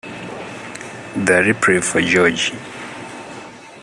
The reprieve for George.